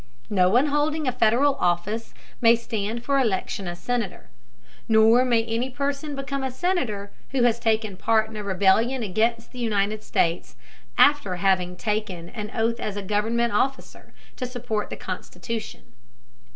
No one holding a Federal office may stand for election as Senator. Nor may any person become a Senator who has taken part in a rebellion against the United States after having taken an oath as a government officer to support the Constitution.